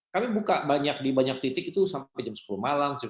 kami buka di banyak titik itu sampai jam sepuluh malam